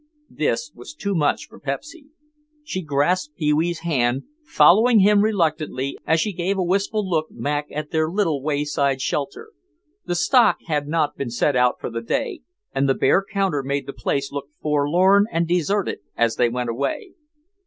This was too much for Pepsy. She grasped Pee wee's hand, following him reluctantly, as she gave a wistful look back at their little wayside shelter. The "stock" had not been set out for the day and the bare counter made the place look forlorn and deserted as they went away.